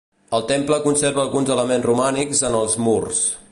El temple conserva alguns elements romànics en els murs.